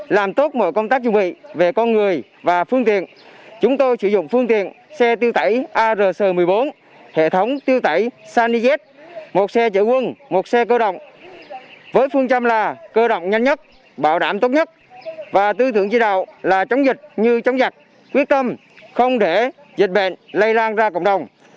làm tốt mọi công tác chuẩn bị về con người và phương tiện chúng tôi sử dụng phương tiện xe tư tẩy ars một mươi bốn hệ thống tư tẩy sanijet một xe chở quân một xe cơ động với phương trăm là cơ động nhanh nhất bảo đảm tốt nhất và tư thưởng chỉ đạo là chống dịch như chống giặc quyết tâm không để dịch bệnh lây lan ra cộng đồng